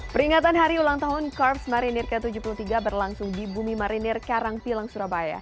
peringatan hari ulang tahun kars marinir ke tujuh puluh tiga berlangsung di bumi marinir karangpilang surabaya